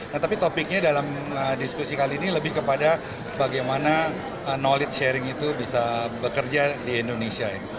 nah tapi topiknya dalam diskusi kali ini lebih kepada bagaimana knowledge sharing itu bisa bekerja di indonesia ya